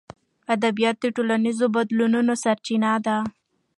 ادبیات د ټولنیزو بدلونونو سرچینه ده.